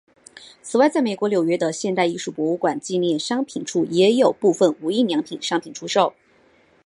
此外在美国纽约的现代艺术博物馆纪念商品处也有部份无印良品商品出售。